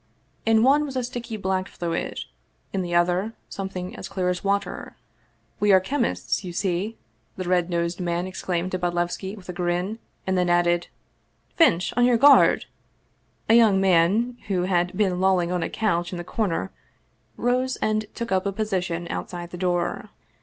In one was a sticky black fluid ; in the other, something as clear as water. " We are chemists, you see," the red nosed man ex plained to Bodlevski with a grin, and then added: "Finch! on guard!" A young man, who had been lolling on a couch in the corner, rose and took up a position outside the door.